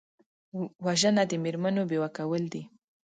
وژنه د مېرمنو بیوه کول دي